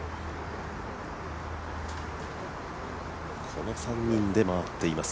この３人で回っています。